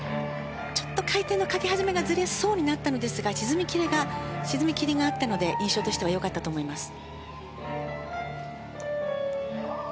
ちょっと回転のかけ始めがずれそうになりましたが沈みきりがあったので印象としては良かったと思います。